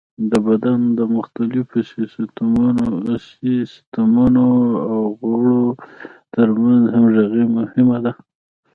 د بدن د مختلفو سیستمونو او غړو تر منځ همغږي مهمه ده.